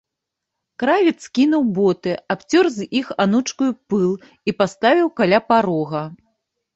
Кравец скінуў боты, абцёр з іх анучкаю пыл і паставіў каля парога.